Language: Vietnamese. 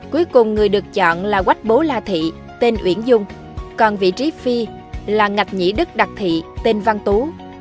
cuối cùng người được chọn là quách bố la thị tên uyển dung còn vị trí phi là ngạch nhĩ đức đặc thị tên văn tú